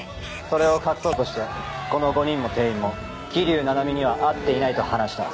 それを隠そうとしてこの５人も店員も桐生菜々美には会っていないと話した。